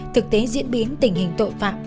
thực tế diễn biến tình hình tội phạm